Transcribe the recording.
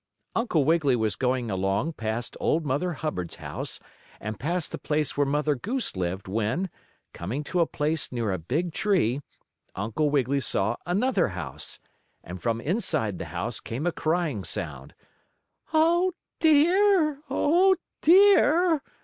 Uncle Wiggily was going along past Old Mother Hubbard's house, and past the place where Mother Goose lived, when, coming to a place near a big tree, Uncle Wiggily saw another house. And from inside the house came a crying sound. "Oh, dear! Oh, dear!